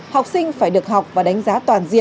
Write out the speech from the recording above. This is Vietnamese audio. học sinh phải được học và đánh giá toàn diện